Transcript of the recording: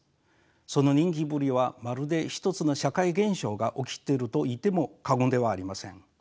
その人気ぶりはまるで一つの社会現象が起きてるといっても過言ではありません。